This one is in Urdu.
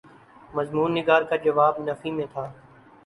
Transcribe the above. مضمون نگار کا جواب نفی میں تھا۔